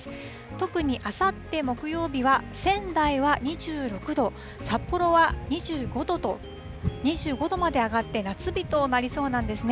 特にあさって木曜日は仙台は２６度、札幌は２５度まで上がって、夏日となりそうなんですね。